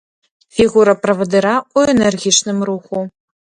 Фігура правадыра ў энергічным руху.